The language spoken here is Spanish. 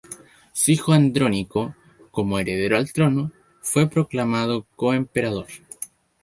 Su hijo Andrónico, como heredero al trono, fue proclamado coemperador.